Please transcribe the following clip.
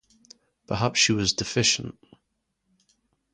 Perhaps she was deficient.